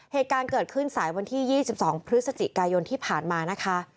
เหตุการณ์เกิดขึ้นสายวันที่๒๒พฤศจิกายนที่ผ่านมานะคะ